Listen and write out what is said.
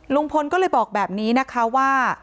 ลุงพลก็เลยบอกแบบนี้นะคะว่า